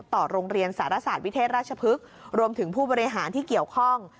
ต่อโรงเรียนสารศาสตร์วิเทศราชพฤกษ์รวมถึงผู้บริหารที่เกี่ยวข้อง